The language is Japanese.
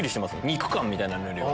肉感みたいなのよりは。